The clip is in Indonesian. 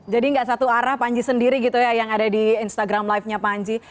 jadi enggak satu arah panji sendiri gitu ya yang ada di instagram live nya panji